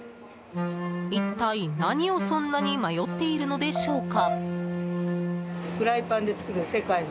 一体、何をそんなに迷っているのでしょうか。